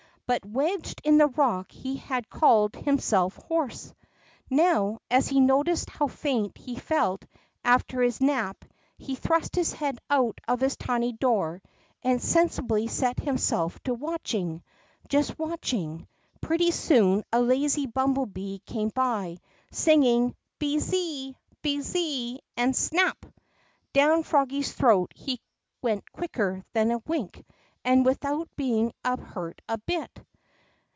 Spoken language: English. But wedged in the rock he had called himself hoarse. Hoav, as he noticed how faint he felt after his nap, he thrust his head out of his tiny door, and sensibly set himself to watching, just watching. Pretty soon, a lazy bumble bee came by, singing Bee zee ! Bee zee ! and — snap ! Down froggy's throat he went quicker than a wink, and without being hurt a bit.